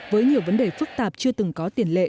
với nhiều vấn đề phức tạp chưa từng có tiền lệ